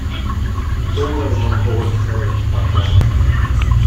All those on board perished by drowning.